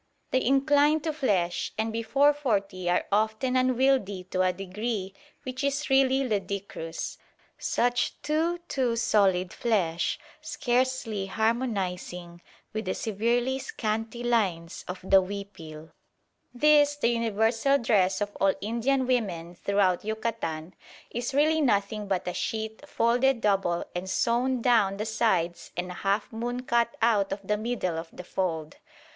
They incline to flesh, and before forty are often unwieldy to a degree which is really ludicrous; such "too, too solid flesh" scarcely harmonising with the severely scanty lines of the huipil. This the universal dress of all Indian women throughout Yucatan is really nothing but a sheet, folded double and sewn down the sides and a half moon cut out of the middle of the fold.